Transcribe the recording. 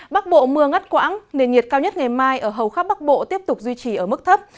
bắc bộ mưa ngắt quãng nền nhiệt cao nhất ngày mai ở hầu khắp bắc bộ tiếp tục duy trì ở mức thấp